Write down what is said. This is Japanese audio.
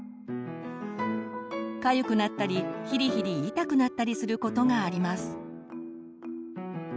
かゆくなったりヒリヒリ痛くなったりすることがあります。